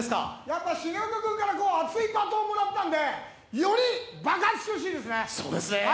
やっぱ重岡君から熱いバトンをもらったんでより爆発してほしいですね。